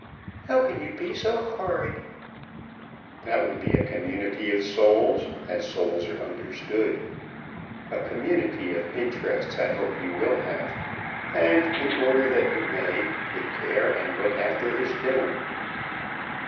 "How can you be so horrid." "That would be a community of souls, as souls are understood. A community of interests I hope you will have, and, in order that you may, take care and look after his dinner."